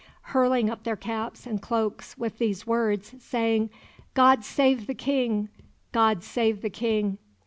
hurling up their caps and cloaks with these words, saying, 'God save the King! God save the King!